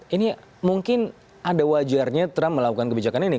ini mungkin ada wajarnya trump melakukan kebijakan ini